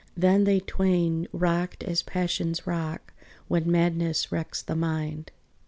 Then they twain rocked as passions rock, When madness wrecks the mind.